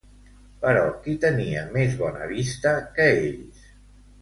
Però qui tenia més bona vista que ells?